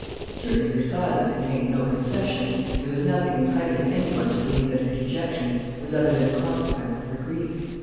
Certainly her silence contained no confession, and there was nothing entitling any one to believe that her dejection was other than a consequence of her grief.